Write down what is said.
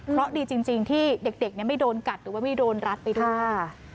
เพราะดีจริงที่เด็กไม่โดนกัดหรือว่าไม่โดนรัดไปด้วยค่ะ